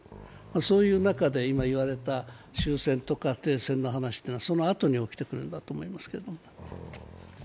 そういう中で今言われた終戦とか停戦の話というのはそのあとに起きてくるんだと思いますけど。